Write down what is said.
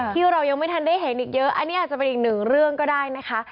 ที่เรายังไม่ทันได้เห็นอีกเยอะอันนี้อาจจะเป็นอีกหนึ่งเรื่องก็ได้นะคะ